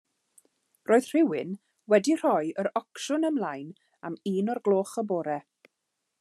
Roedd rhywun wedi rhoi yr ocsiwn ymlaen am un o'r gloch y bore.